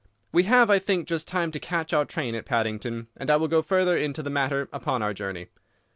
We have, I think, just time to catch our train at Paddington, and I will go further into the matter upon our journey.